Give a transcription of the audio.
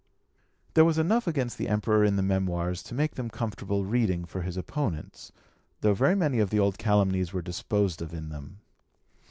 There was enough against the Emperor in the Memoirs to make them comfortable reading for his opponents, though very many of the old calumnies were disposed of in them.